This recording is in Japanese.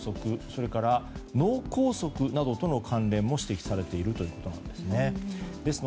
それから脳梗塞などとの関連も指摘されているということなんです。